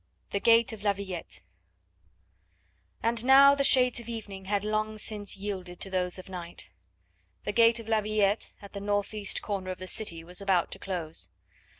THE GATE OF LA VILLETTE And now the shades of evening had long since yielded to those of night. The gate of La Villette, at the northeast corner of the city, was about to close.